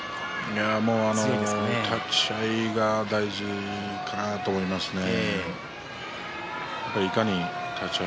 立ち合いが大事かなと思いますね。